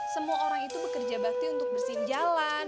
semua orang itu bekerja bakti untuk bersin jalan